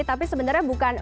tapi sebenarnya bukan